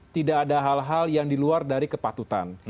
tidak ada hal hal yang diluar dari kepatutan